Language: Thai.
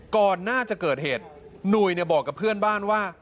ก่อนหน้าจะเกิดเหตุหนุ่ยบอกกับเพื่อนบ้านว่า